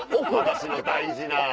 私の大事な。